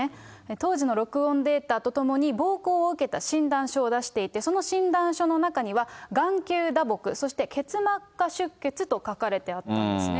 当時の録音データとともに暴行を受けた診断書を出していて、その診断書の中には、眼球打撲、そして結膜下出血と書かれてあったんですね。